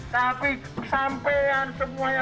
tapi kesampean semuanya